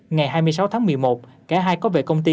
ngày hai mươi sáu tháng một mươi một cả hai có về công ty